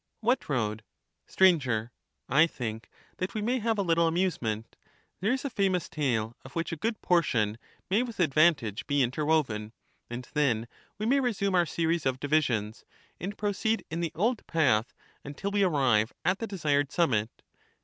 What road ? Str, I think that we may have a little amusement ; there is a famous tale, of which a good portion may with advantage be interwoven, and then we may resume our series of divisions, and proceed in the old path until we arrive at the desired summit.